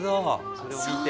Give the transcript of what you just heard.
それを見て。